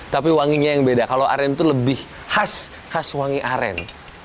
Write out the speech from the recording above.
tapi wanginya yang beda kalau aren itu lebih khas khas wangi aren